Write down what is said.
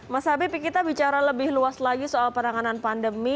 mas habib kita bicara lebih luas lagi soal penanganan pandemi